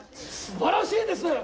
すばらしいです！